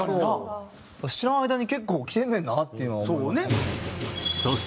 知らん間に結構きてんねんなっていうのは思いました。